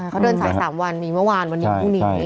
เขาเดินสาย๓วันมีเมื่อวานวันนี้พรุ่งนี้